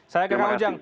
saya ke kang ujang